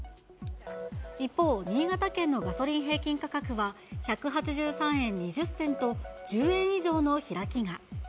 一方、新潟県のガソリン平均価格は１８３円２０銭と、１０円以上の開きが。